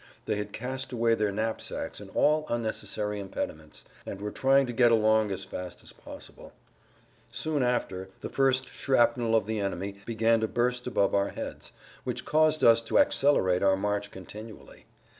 They had cast away their knapsacks and all unnecessary impediments, and were trying to get along as fast as possible. Soon after, the first shrapnel of the enemy began to burst above our heads, which caused us to accelerate our march continually.